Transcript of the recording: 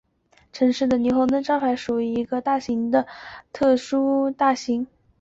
城市霓虹灯招牌属于一种特殊的大型氖灯。